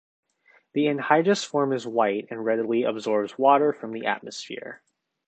The anhydrous form is white and readily absorbs water from the atmosphere.